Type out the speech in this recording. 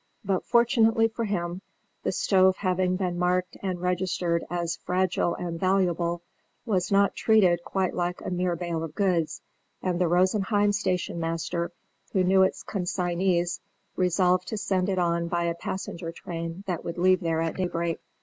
But, fortunately for him, the stove having been marked and registered as "fragile and valuable," was not treated quite like a mere bale of goods, and the Rosenheim stationmaster, who knew its consignees, resolved to send it on by a passenger train that would leave there at daybreak.